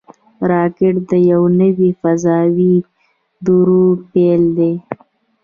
راکټ د یوه نوي فضاوي دور پیل دی